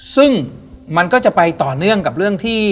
ซึ่งมันก็จะไปต่อเนื่องกับเรื่องที่